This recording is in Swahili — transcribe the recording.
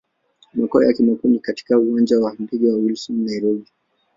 Makao yake makuu ni katika Uwanja wa ndege wa Wilson, Nairobi.